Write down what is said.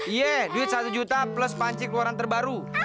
iya duit satu juta plus panci keluaran terbaru